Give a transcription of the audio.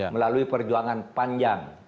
melalui perjuangan panjang